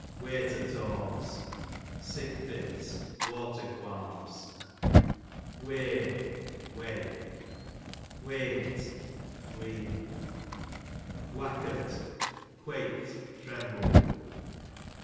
Wetur tawms, sick fits, water qualms. Way, way. Weynt, weaned. Whackert, quaked, trembled.